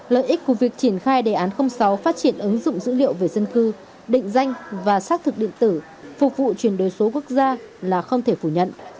lợi ích của việc triển khai đề án sáu phát triển ứng dụng dữ liệu về dân cư định danh và xác thực điện tử phục vụ chuyển đổi số quốc gia là không thể phủ nhận